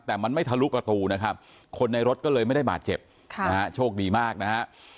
แต่มันไม่ทะลุประตูนะครับคนในรถก็เลยไม่ได้บาดเจ็บนะฮะโชคดีมากนะฮะ